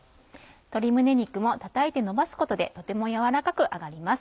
鶏胸肉も叩いて伸ばすことでとてもやわらかく揚がります。